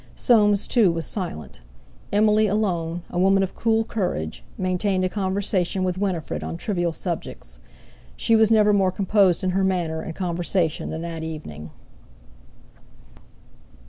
Soames, too, was silent; Emily alone, a woman of cool courage, maintained a conversation with Winifred on trivial subjects. She was never more composed in her manner and conversation than that evening.